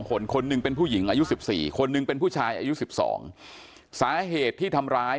คนคนหนึ่งเป็นผู้หญิงอายุสิบสี่คนหนึ่งเป็นผู้ชายอายุสิบสองสาเหตุที่ทำร้าย